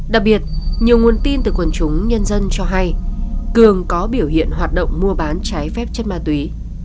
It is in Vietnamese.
đặc biệt nhiều nguồn tin từ quần chúng nhân dân cho hay cường có biểu hiện hoạt động mua bán trái phép chất ma túy